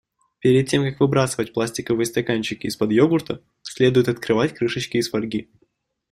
Перед тем как выбрасывать пластиковые стаканчики из-под йогурта, следует отрывать крышечки из фольги.